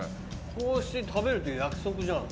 こうして食べるって約束じゃん。